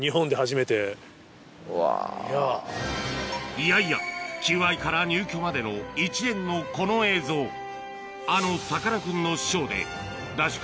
いやいや求愛から入居までの一連のこの映像あのさかなクンの師匠でＤＡＳＨ